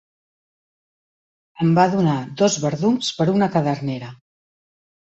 Em va donar dos verdums per una cadernera.